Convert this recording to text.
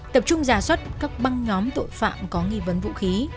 tập trung giả soát các băng nhóm tội phạm có nghi vấn vũ khí